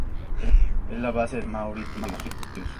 Es la base de Air Mauritius.